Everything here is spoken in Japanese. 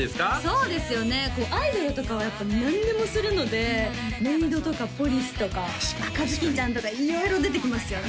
そうですよねアイドルとかはやっぱ何でもするのでメイドとかポリスとか赤ずきんちゃんとか色々出てきますよね